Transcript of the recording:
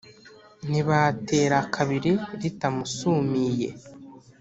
ntibatera kabiri ritamusumiye